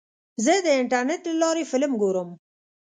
زه د انټرنیټ له لارې فلم ګورم.